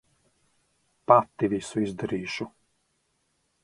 Pati visu izdarīšu.